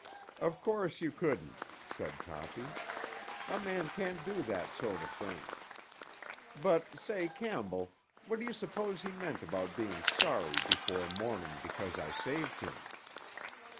"Of course you couldn't," said Toppy. "A man can't do that sort of thing. But, say, Campbell, what do you suppose he meant about being sorry before morning because I saved him?"